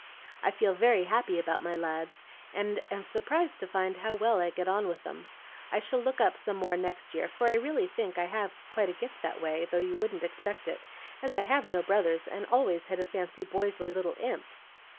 I feel very happy about my lads, and am surprised to find how well I get on with them. I shall look up some more next year, for I really think I have quite a gift that way, though you wouldn't expect it, as I have no brothers, and always had a fancy boys were little imps."